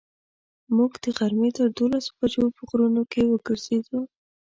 موږ د غرمې تر دولسو بجو په غرونو کې وګرځېدو.